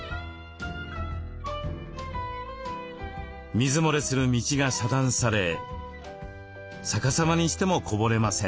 水漏れする道が遮断され逆さまにしてもこぼれません。